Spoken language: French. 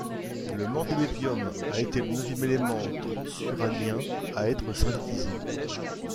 Le mendélévium a été le neuvième élément transuranien à être synthétisé.